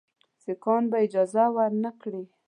سیکهان به اجازه ورنه کړي.